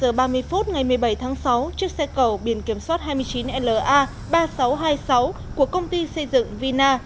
vào khoảng một mươi hai h ba mươi phút ngày một mươi bảy tháng sáu chiếc xe cẩu biển kiểm soát hai mươi chín la ba nghìn sáu trăm hai mươi sáu của công ty xây dựng vina